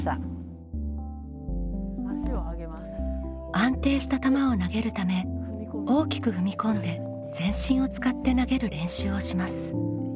安定した球を投げるため大きく踏み込んで全身を使って投げる練習をします。